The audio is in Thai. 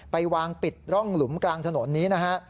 ไปวางปิดร่องหลุมกลางถนนนี้นะฮะ